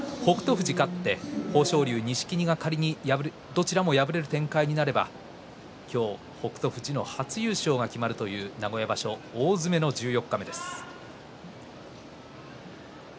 富士が勝って豊昇龍と錦木がどちらも敗れる展開になれば今日、北勝富士の初優勝が決まるという名古屋場所大詰めの十四日目です。